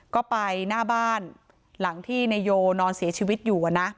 ก็ไปหน้าบ้านหลังที่นายโยนอนเสียชีวิตอยู่